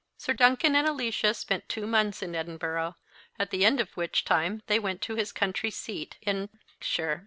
Sir Duncan and Alicia spent two months in Edinburgh, at the end of which time they went to his country seat in shire.